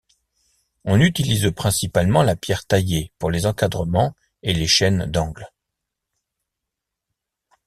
On utilise principalement la pierre taillée pour les encadrements et les chaînes d'angles.